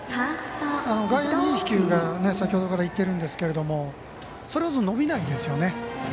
外野に飛球が先ほどからいってるんですけどそれほど伸びないですよね。